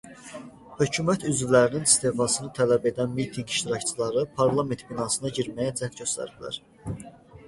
Hökumət üzvlərinin istefasını tələb edən mitinq iştirakçıları parlament binasına girməyə cəhd göstəriblər.